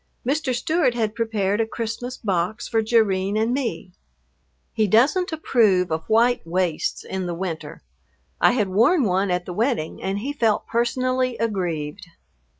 Mr. Stewart had prepared a Christmas box for Jerrine and me. He doesn't approve of white waists in the winter. I had worn one at the wedding and he felt personally aggrieved.